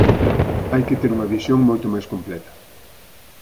Hai que ter unha visión moito máis completa.